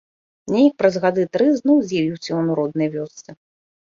Неяк праз гады тры зноў з'явіўся ён у роднай вёсцы.